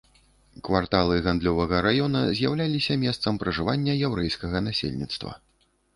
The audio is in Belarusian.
Кварталы гандлёвага раёна з'яўляліся месцам пражывання яўрэйскага насельніцтва.